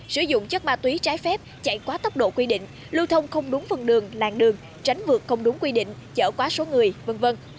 sử dụng chất ma túy trái phép chạy quá tốc độ quy định lưu thông không đúng phần đường làng đường tránh vượt không đúng quy định chở quá số người v v